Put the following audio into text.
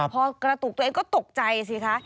พอกระตุกตัวเองก็ตกใจสิคะ